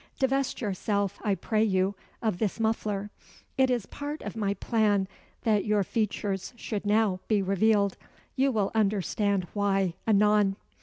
Divest yourself, I pray you, of this muffler. It is part of my plan that your features should now be revealed. You will understand why, anon."